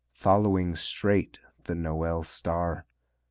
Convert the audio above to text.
Following straight the Noël star?